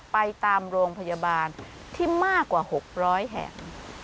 ไปตามโรงพยาบาลที่มากกว่า๖๐๐แห่ง